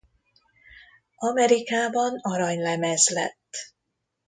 Amerikában aranylemez lett.